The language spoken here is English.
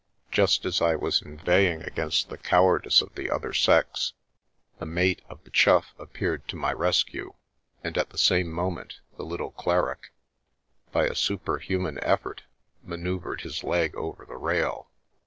Just as I was inveighing against the cowardice of the other sex, the mate of the Chough appeared to my rescue, and at the same moment the little cleric, by a superhuman it it London River effort, manoeuvred his leg over the rail.